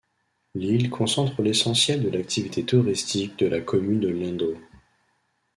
L’île concentre l’essentiel de l’activité touristique de la commune de Lindau.